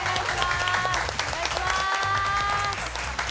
お願いします